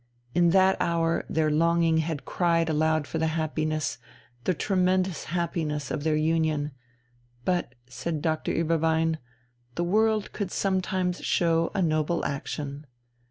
In that hour their longing had cried aloud for the happiness, the tremendous happiness, of their union; but, said Doctor Ueberbein, the world could sometimes show a noble action.